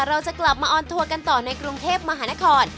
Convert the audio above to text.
เราจะกลับมาออนทัวร์กันต่อในกรุงเทพมหานคร